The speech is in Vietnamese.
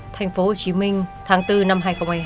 thành phố hồ chí minh tháng bốn năm hai nghìn hai mươi hai